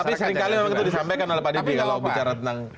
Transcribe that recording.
tapi seringkali disampaikan oleh pak didi kalau bicara tenang